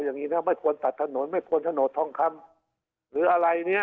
อย่างนี้นะไม่ควรตัดถนนไม่ควรถนนทองคำหรืออะไรเนี่ย